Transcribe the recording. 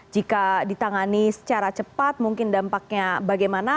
jika ditangani secara cepat mungkin dampaknya bagaimana